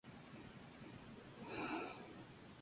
Se traslada a la Isla de León.